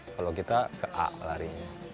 kalau kita ke a larinya